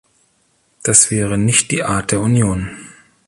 Das wäre nicht die Art der Union.